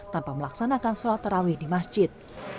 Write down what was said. tanpa melaksanakan sholat terawih di masjid